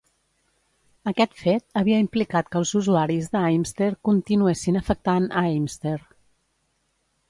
Aquest fet havia implicat que els usuaris de Aimster continuessin afectant a Aimster.